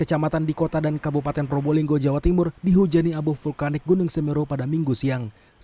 kecamatan di kota dan kabupaten probolinggo jawa timur dihujani abu vulkanik gunung semeru pada minggu siang